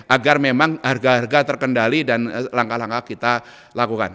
agar memang harga harga terkendali dan langkah langkah kita lakukan